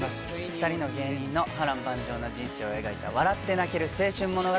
２人の芸人の波瀾万丈な人生を描いた笑って泣ける青春物語。